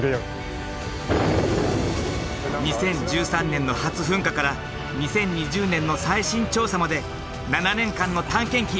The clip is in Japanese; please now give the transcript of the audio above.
２０１３年の初噴火から２０２０年の最新調査まで７年間の探検記。